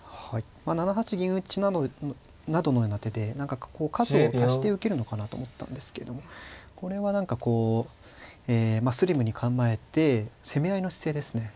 まあ７八銀打などのような手で何か数を足して受けるのかなと思ったんですけどもこれは何かこうスリムに構えて攻め合いの姿勢ですね。